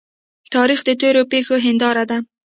تاریخ د تیرو پیښو هنداره ده.